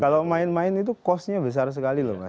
kalau main main itu costnya besar sekali loh